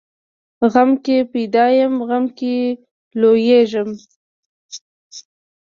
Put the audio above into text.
غم کې پیدا یم، غم کې لویېږم.